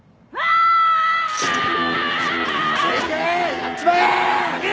やっちまえ！